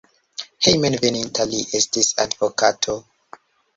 Hejmenveninta li estis advokato.